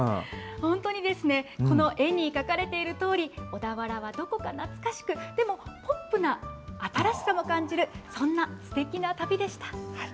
本当にこの絵に描かれているとおり、小田原はどこか懐かしく、でも、ポップな新しさも感じる、そんなすてきな旅でした。